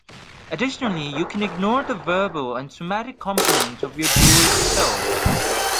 Additionally, you can ignore the verbal and somatic components of your druid spells